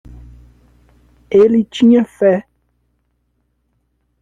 Ele tinha fé.